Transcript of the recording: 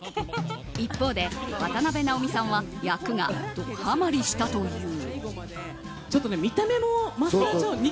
一方で、渡辺直美さんは役がドハマリしたという。